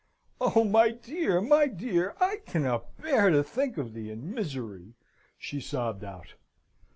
"Oh, my dear! my dear! I cannot bear to think of thee in misery," she sobbed out.